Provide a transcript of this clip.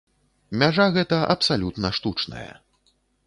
Мяжа гэта абсалютна штучная.